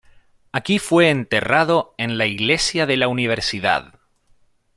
Aquí fue enterrado en la iglesia de la universidad.